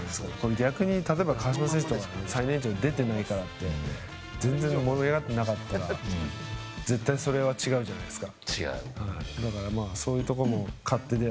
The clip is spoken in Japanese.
逆に、例えば川島選手とかが最年長で出てないからって全然、盛り上がってなかったら絶対それは違うじゃないですか。